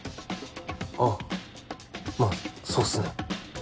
あまぁそうっすね。